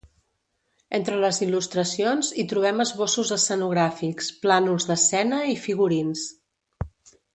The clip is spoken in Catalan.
Entre les il·lustracions hi trobem esbossos escenogràfics, plànols d'escena i figurins.